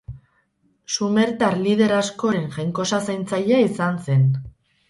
Sumertar lider askoren jainkosa-zaintzailea izan zen.